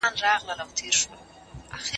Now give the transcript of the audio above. لیکوال افغان لیکوالان هم معرفي کوي.